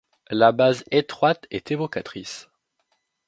La base étroite est évocatrice.